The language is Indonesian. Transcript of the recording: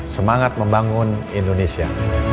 semangat membangun indonesia